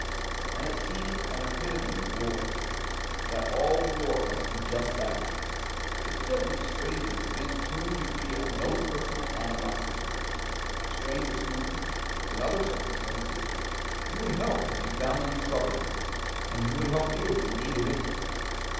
And it seemed an epitome of war; that all war must be just that the killing of strangers against whom you feel no personal animosity; strangers whom, in other circumstances, you would help if you found them in trouble, and who would help you if you needed it.